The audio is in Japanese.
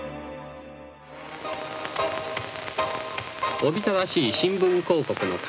おびただしい新聞広告の数々。